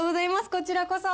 こちらこそ。